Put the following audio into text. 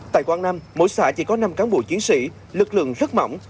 tại quảng nam mỗi xã chỉ có năm cán bộ chiến sĩ lực lượng rất mỏng